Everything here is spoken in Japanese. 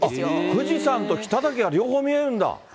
富士山と北岳が両方見れるんだ。